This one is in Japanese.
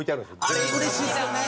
あれうれしいですよね。